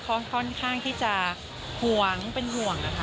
ค่อนข้างที่จะห่วงเป็นห่วงนะคะ